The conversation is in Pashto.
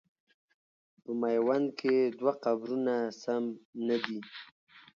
په میوند کې دوه قبرونه سم نه دي.